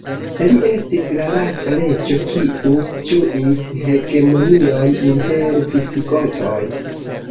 Li estis la lasta reĝo kiu ĝuis hegemonion inter visigotoj.